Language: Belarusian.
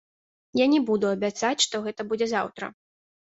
Я не буду абяцаць, што гэта будзе заўтра.